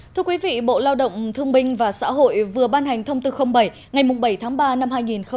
thưa quý vị bộ lao động thương minh và xã hội vừa ban hành thông tư bảy ngày bảy tháng ba năm hai nghìn một mươi chín